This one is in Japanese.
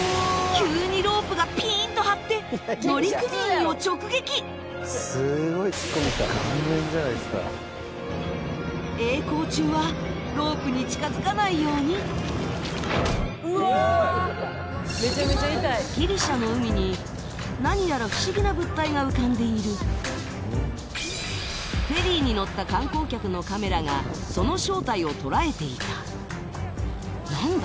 急にロープがピーンと張って乗組員を直撃曳航中はロープに近づかないようにギリシャの海に何やら不思議な物体が浮かんでいるフェリーに乗った観光客のカメラがその正体を捉えていた何だ？